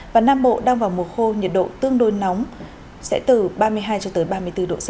và nam bộ đang vào mùa khô nhiệt độ tương đối nóng sẽ từ ba mươi hai cho tới ba mươi bốn độ c